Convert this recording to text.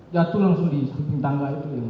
jatuh langsung di samping tangga itu ya beliau